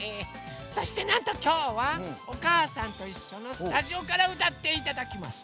そしてなんときょうは「おかあさんといっしょ」のスタジオからうたっていただきます。